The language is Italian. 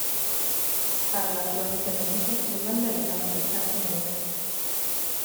Parla fluentemente il mandarino e il cantonese.